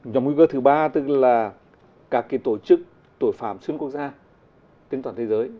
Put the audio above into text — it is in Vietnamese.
nhóm nguy cơ thứ ba tức là các tổ chức tội phạm xuyên quốc gia trên toàn thế giới